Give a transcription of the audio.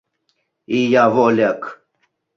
Ия вольык!